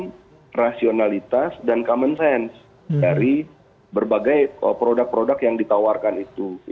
dengan rasionalitas dan common sense dari berbagai produk produk yang ditawarkan itu